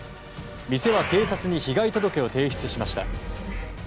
店は警察に被害届を提出しました。